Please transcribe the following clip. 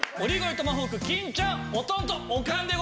トマホーク金ちゃんおとんとおかんでございます！